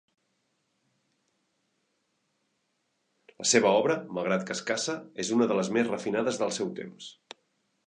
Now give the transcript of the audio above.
La seva obra, malgrat que escassa, és una de les més refinades del seu temps.